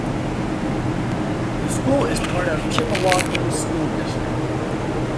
The school is part of Chippewa Hills School District.